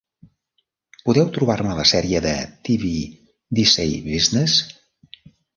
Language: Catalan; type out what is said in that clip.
Podeu trobar-me la sèrie de TV Dicey Business?